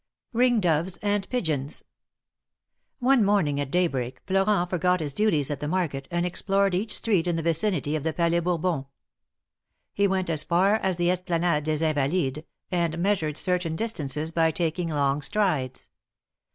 RING DOVES AND PIGEONS. NE morning at daybreak, Florent forgot his duties at the market, and explored each street in the vicinity of the Palais Bourbon. He went as far as the Esplanade des Invalides, and measured certain distances by taking long strides.